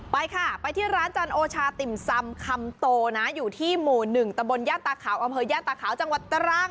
ไปค่ะไปที่ร้านจันทร์โอชาติ่มซำคำโตนะอยู่ที่หมู่๑ตะบนย่านตาขาวอำเภอย่านตาขาวจังหวัดตรัง